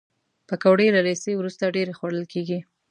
پکورې له لیسې وروسته ډېرې خوړل کېږي